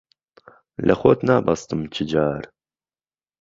له خۆت نابهستم چ جار